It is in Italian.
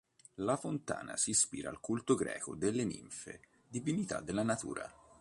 La fontana si ispira al culto greco delle ninfe, divinità della natura.